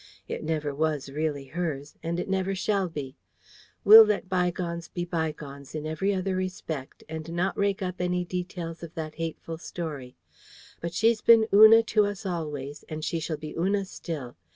It never was really hers, and it never shall be. We'll let bygones be bygones in every other respect, and not rake up any details of that hateful story. But she's been Una to us always, and she shall be Una still.